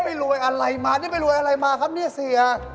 ไม่รวยอะไรมานี่ไม่รวยอะไรมาครับเนี่ยเสีย